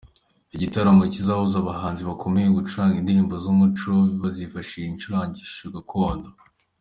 Igitaramo kizahuza abahanzi bakomeye mu gucuranga indirimbo z’umuco bifashishije ibicurangisho gakondo.